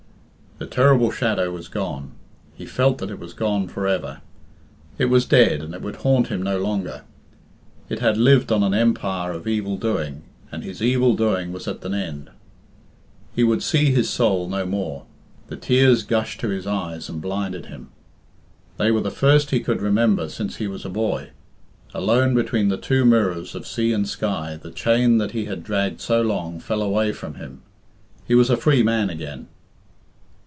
The terrible shadow was gone; he felt that it was gone for ever. It was dead, and it would haunt him no longer. It had lived on an empire of evil doing, and his evil doing was at an end. He would "see his soul" no more. The tears gushed to his eyes and blinded him. They were the first he could remember since he was a boy. Alone between the two mirrors of sea and sky, the chain that he had dragged so long fell: away from him. He was a free man again.